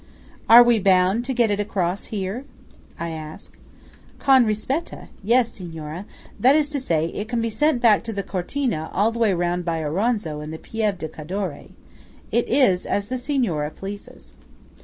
"Are we bound to get it across here?" I ask. "Con rispetta, yes, Signora. That is to say, it can be sent back to Cortina all the way round by Auronzo and Pieve di Cadore. It is as the Signora pleases."